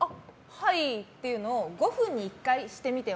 はいというのを５分に１回、してみては？